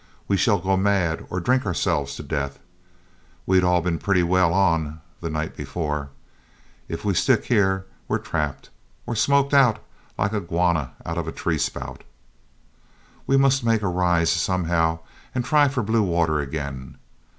We shall go mad or drink ourselves to death' (we'd all been pretty well 'on' the night before) 'if we stick here till we're trapped or smoked out like a 'guana out of a tree spout. We must make a rise somehow, and try for blue water again.